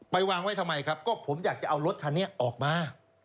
วางไว้ทำไมครับก็ผมอยากจะเอารถคันนี้ออกมา